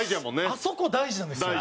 あそこ大事なんですよ。